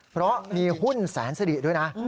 เพราะมีหุ้นแสนสิริด้วยนะ